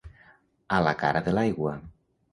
A la cara de l'aigua.